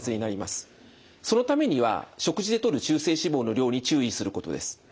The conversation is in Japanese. そのためには食事でとる中性脂肪の量に注意することです。